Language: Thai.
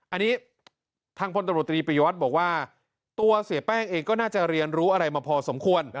อันนี้ทางพลตำรวจตรีปริยวัตรบอกว่าตัวเสียแป้งเองก็น่าจะเรียนรู้อะไรมาพอสมควร